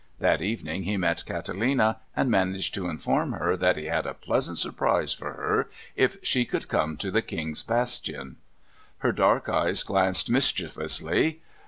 That evening he met Catalina, and managed to inform her that he had a pleasant surprise for her, if she could come to the King's Bastion. Her dark eyes glanced mischievously.